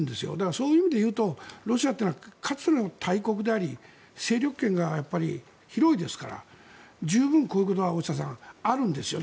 そういう意味で言うとロシアというのはかつての大国であり勢力圏が広いですから十分こういうことがあるんですよ。